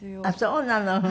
ああそうなの。